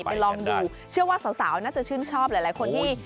ลองดูเชื่อว่าสาวน่าจะชื่นชอบหลายคนที่